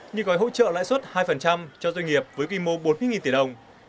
như gói hỗ trợ lãi xuất hai cho doanh nghiệp với kỳ mô bốn mươi tỷ đồng